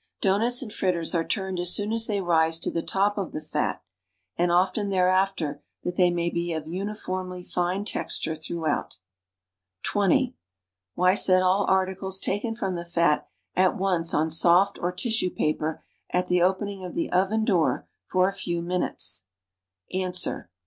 Ans. Doughnuts and fritters are turned as soon as they rise to the top of the fat and often there after that the\' may be of uniformly fine texture throughout. (20) Why set all ar ticles taken from the fat at once on soft or tissue paper at the opening of the oven door for a few min POURING USED CRISCO THROUGH SIEVE .; BACK INTO CAN. utes